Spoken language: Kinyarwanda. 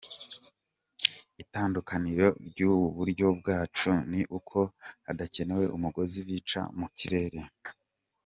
Itandukaniro ry’ubu buryo bwacu ni uko hadakenewe umugozi, bica mu kirere.